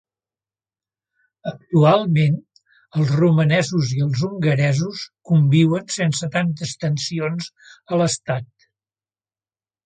Actualment, els romanesos i els hongaresos conviuen sense tantes tensions a l'estat.